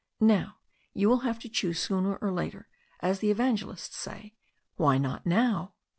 Now, you will have to choose sooner or later, as the evangelists say, why not now?"